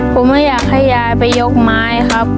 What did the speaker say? ผมไม่อยากให้ยายไปยกไม้ครับ